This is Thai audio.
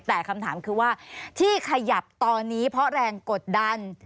แต่คำถามคือว่าที่ขยับตอนนี้เพราะแรงกดดัน